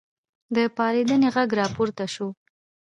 د پارېدنې غږ راپورته شو.